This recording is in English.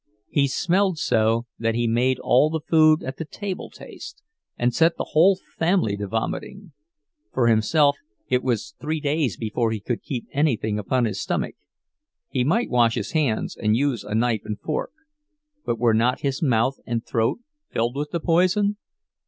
He smelled so that he made all the food at the table taste, and set the whole family to vomiting; for himself it was three days before he could keep anything upon his stomach—he might wash his hands, and use a knife and fork, but were not his mouth and throat filled with the poison?